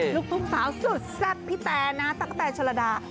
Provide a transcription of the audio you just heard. ลูกทุ่งสาวสุดแซ่บพี่แตนะตั๊กกะแตนดา